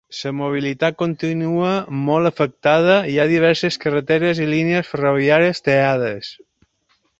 La mobilitat continua molt afectada i hi ha diverses carreteres i línies ferroviàries tallades.